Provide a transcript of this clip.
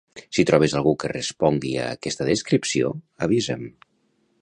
Si trobes algú que respongui a aquesta descripció, avisa'm.